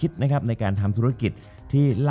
จบการโรงแรมจบการโรงแรม